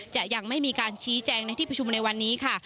จะยังไม่มีการชี้แจงในที่ประชุมในวันนี้ค่ะ